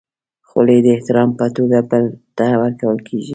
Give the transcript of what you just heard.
خولۍ د احترام په توګه بل ته ورکول کېږي.